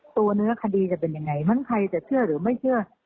ตัวเนื้อคดีจะเป็นยังไงมั้งใครจะเชื่อหรือไม่เชื่อ